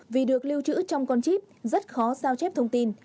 vì được lưu trữ trong con chip rất khó sao chép thông tin